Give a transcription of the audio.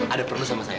ada perlu sama saya